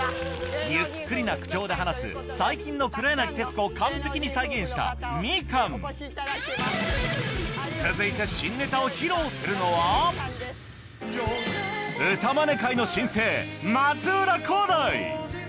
ゆっくりな口調で話す最近の黒柳徹子を完璧に再現したみかん続いて新ネタを披露するのはを歌います。